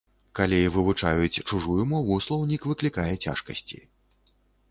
Калі вывучаюць чужую мову, слоўнік выклікае цяжкасці.